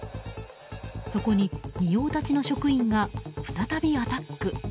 そこに仁王立ちの職員が再びアタック。